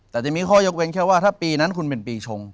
แต่จะมีข้อยกเว้นแค่ว่าถ้าปีนั้นคุณเป็นปีชง